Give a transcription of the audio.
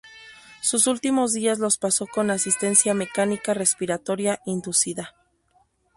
Sus últimos días los pasó con asistencia mecánica respiratoria inducida.